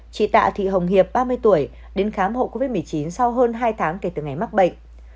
chị tạ thị hồng hiệp ba mươi tuổi đến khám hộ covid một mươi chín sau hơn hai tháng kể từ ngày mắc bệnh